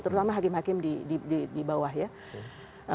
terutama hakim hakim di bawah ya